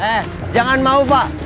eh jangan mau pak